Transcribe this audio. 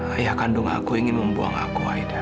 ayah kandung aku ingin membuang aku aida